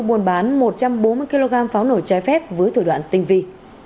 buôn bán một trăm bốn mươi kg pháo nổi trái phép với thử đoạn tinh vi